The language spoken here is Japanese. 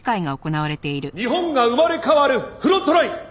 日本が生まれ変わるフロントライン